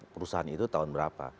perusahaan itu tahun berapa